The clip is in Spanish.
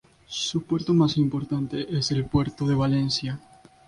Su puerto más importante es el Puerto de Valencia.